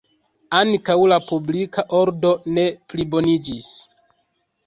Ankaŭ la publika ordo ne pliboniĝis.